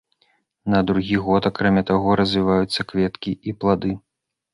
На другі год акрамя таго развіваюцца кветкі і плады.